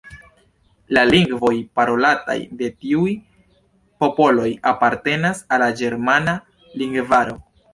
La lingvoj parolataj de tiuj popoloj apartenas al la ĝermana lingvaro.